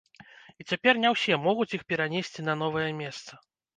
І цяпер не ўсе могуць іх перанесці на новае месца.